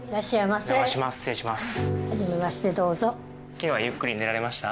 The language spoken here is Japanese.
昨日はゆっくり寝られました？